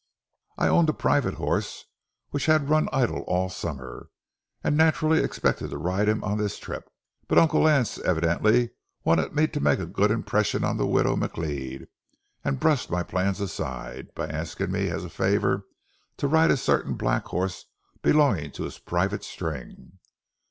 I owned a private horse, which had run idle all summer, and naturally expected to ride him on this trip. But Uncle Lance evidently wanted me to make a good impression on the widow McLeod, and brushed my plans aside, by asking me as a favor to ride a certain black horse belonging to his private string.